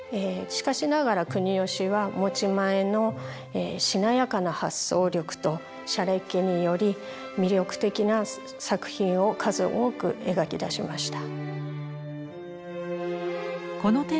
しかしながら国芳は持ち前のしなやかな発想力としゃれっ気により魅力的な作品を数多く描き出しました。